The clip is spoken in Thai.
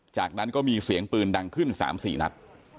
จากนั้นก็มีเสียงปืนดังขึ้น๓๔นัด